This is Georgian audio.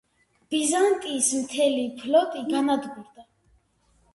ბიზანტიის მთელი ფლოტი განადგურდა.